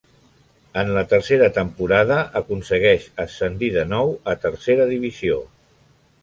En la tercera temporada aconsegueix ascendir de nou a tercera divisió.